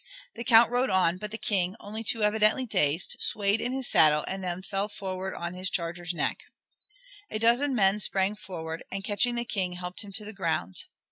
The Count rode on, but the King, only too evidently dazed, swayed in his saddle, and then fell forward on his charger's neck. A dozen men sprang forward, and catching the King, helped him to the ground.